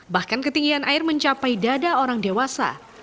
bahkan ketinggian air mencapai dada orang dewasa